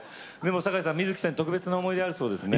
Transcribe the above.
酒井さんは特別な思い出があるそうですね。